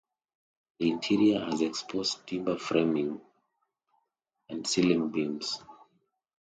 The interior has exposed timber framing and ceiling beams.